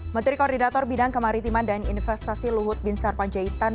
menteri koordinator bidang kemaritiman dan investasi luhut bin sarpanjaitan